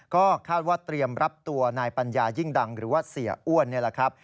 ก็คาดว่าเตรียมรับตัวนายปัญญายิ่งดังหรือว่าเสียอ้วนนี่แหละครับ